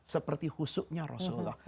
seperti husuknya rasulullah